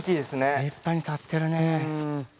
立派に立ってるね。